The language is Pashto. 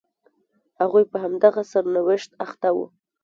هغوی په همدغه سرنوشت اخته وو.